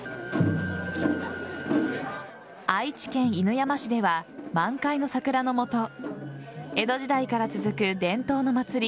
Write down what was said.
愛知県犬山市では満開の桜の下江戸時代から続く伝統の祭り